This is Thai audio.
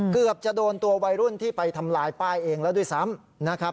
เกือบจะโดนตัววัยรุ่นที่ไปทำลายป้ายเองแล้วด้วยซ้ำนะครับ